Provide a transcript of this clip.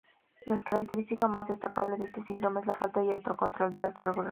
La característica más destacable de este síndrome es la falta de autocontrol y autorregulación.